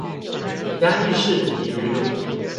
嘉義市體育路